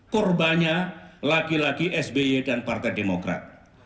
korbannya lagi lagi sby dan partai demokrat